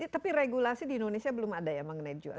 tapi regulasi di indonesia belum ada ya mengenai jual